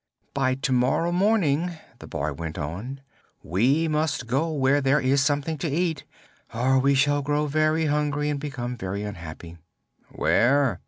"By to morrow morning," the boy went on, "we must go where there is something to eat, or we shall grow very hungry and become very unhappy." "Where?"